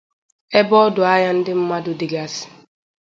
ebe ọdụ ahịa ndị mmadụ dịgasị.